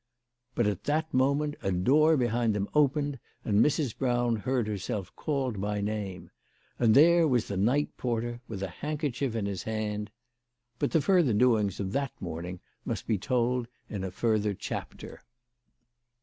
But at that moment a door behind them opened, and Mrs. Brown heard herself called by her name. And there was the night porter, with a handkerchief in his hand. But the further doings of that morning must be told in a further chapter.